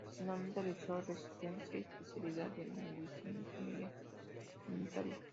Profesionalmente realizó Residencia y Especialidad de Medicina Familiar y Comunitaria.